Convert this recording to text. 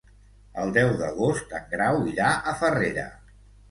El deu d'agost en Grau irà a Farrera.